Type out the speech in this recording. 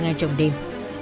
ngay trong đêm